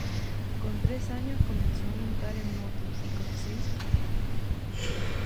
Con tres años comenzó a montar en moto y con seis a competir.